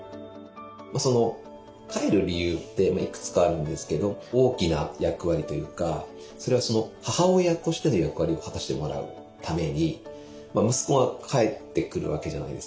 帰る理由っていくつかあるんですけど大きな役割というかそれは母親としての役割を果たしてもらうために息子が帰ってくるわけじゃないですか。